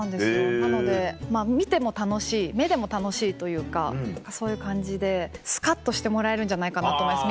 なので見ても楽しい目でも楽しいというかそういう感じでスカっとしてもらえるんじゃないかなと思います